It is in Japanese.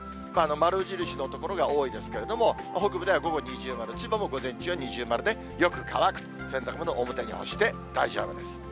丸印の所が多いですけれども、北部では午後二重丸、千葉も午前中は二重丸で、よく乾く、洗濯物、表に干して大丈夫です。